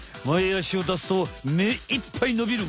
あしを出すとめいっぱい伸びる！